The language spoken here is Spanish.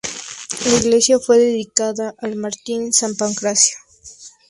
La iglesia fue dedicada al mártir San Pancracio.